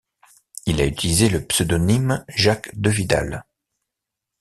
Il a utilisé le pseudonyme Jacques Devidal.